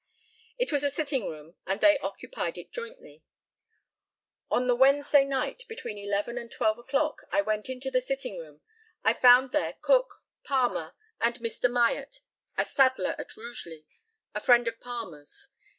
It was a sitting room, and they occupied it jointly. On the Wednesday night, between 11 and 12 o'clock, I went into the sitting room. I found there Cook, Palmer, and Mr. Myatt, a saddler at Rugeley, a friend of Palmer's.